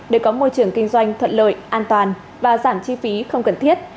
để có môi trường kinh doanh thuận lợi an toàn và giảm chi phí không cần thiết